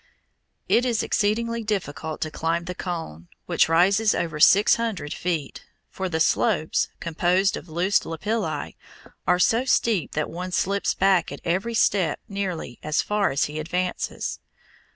It is exceedingly difficult to climb the cone, which rises over six hundred feet, for the slopes, composed of loose lapilli, are so steep that one slips back at every step nearly as far as he advances.